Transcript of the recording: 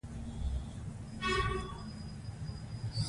سوداګري مالي څارنې ته اړتیا لري.